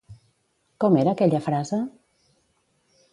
Com era aquella frase?